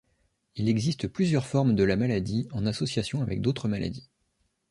Il existe plusieurs formes de la maladie, en association avec d'autres maladies.